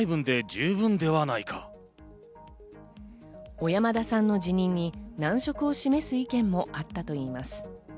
小山田さんの辞任に難色を示す意見もあったといいます。